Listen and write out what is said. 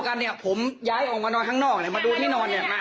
แต่พี่คอตก็โปรดหนูแล้ว